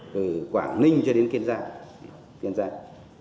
từ quảng ninh cho đến kiên giang